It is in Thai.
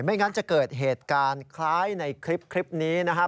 งั้นจะเกิดเหตุการณ์คล้ายในคลิปนี้นะครับ